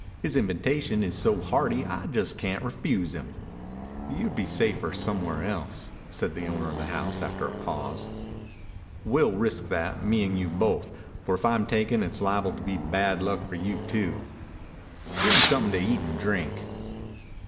"His invitation is so hearty I just can't refuse him." "You'd be safer somewhere else," said the owner of the house after a pause. "We'll risk that, me 'n' you both, for if I'm taken it's liable to be bad luck for you too.... Gimme something to eat and drink."